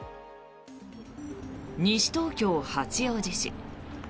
西東京、八王子市。